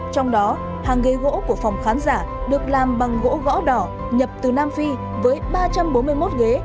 trong đó hàng ghế gỗ của phòng khán giả được làm bằng gỗ gõ đỏ nhập từ nam phi với ba trăm bốn mươi một ghế